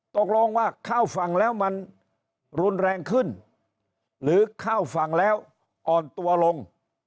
ตกลงว่าเข้าฝั่งแล้วมันรุนแรงขึ้นหรือเข้าฝั่งแล้วอ่อนตัวลง